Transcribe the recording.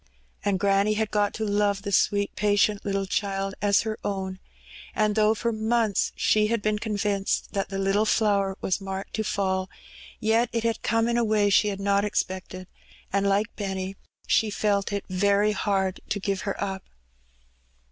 And granny had got to love the sweet, patient little child as her own; and though for months she had been convinced that the little flower was marked to fall, yet it had come in a way she had not expected, and, like Benny, she felt it very hard to give her up.